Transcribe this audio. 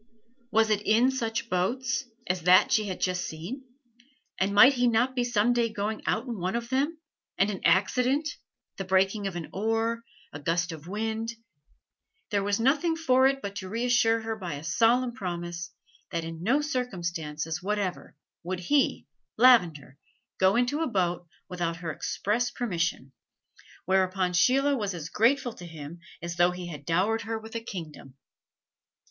Was it in such boats as that she had just seen? and might he not be some day going out in one of them and an accident the breaking of an oar, a gust of wind There was nothing for it but to reassure her by a solemn promise that in no circumstances whatever would he, Lavender, go into a boat without her express permission, whereupon Sheila was as grateful to him as though he had dowered her with a kingdom.